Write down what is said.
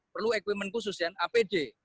perlu equipment khusus dan apd